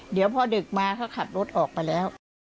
เดี๋ยวพอดึกมาเขาขับรถออกไปแล้ว